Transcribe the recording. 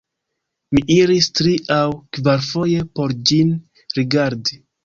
Mi iris tri-aŭ-kvarfoje por ĝin rigardi.